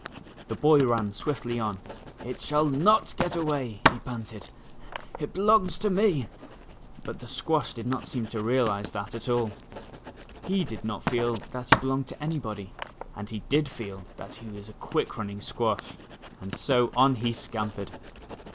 The boy ran swiftly on. " It shall not get away," he panted. "It belongs to me." But that the squash did not seem to realize at all. He did not feel that he belonged to any body, and he did feel that he was a quick running squash, and so on he scampered.